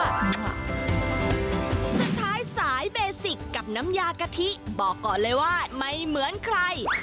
สุดท้ายสายเบสิกกับน้ำยากะทิบอกก่อนเลยว่าไม่เหมือนใคร